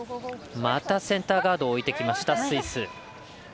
またセンターガードを置いてきました、スイス。